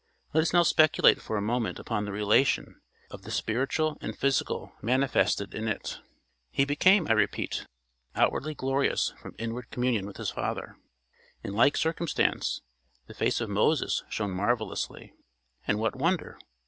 Let us now speculate for a moment upon the relation of the spiritual and physical manifested in it. He became, I repeat, outwardly glorious from inward communion with his Father. In like circumstance, the face of Moses shone marvellously. And what wonder?